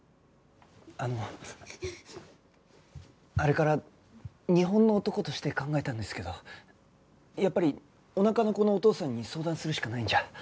あのあれから日本の男として考えたんですけどやっぱりおなかの子のお父さんに相談するしかないんじゃ。